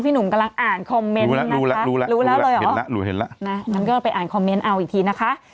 ที่พี่หนุ่มกำลังอ่านคอมเม้นต์ด้วยนะคะรู้แล้วเหรอนะแล้วก็ไปอ่านคอมเม้นต์เอาอีกทีนะคะ